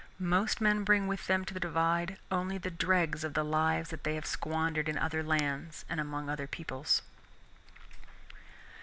Most men bring with them to the Divide only the dregs of the lives that they have squandered in other lands and among other peoples.